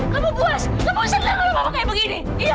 kamu puas kamu senang kalau mama kayak begini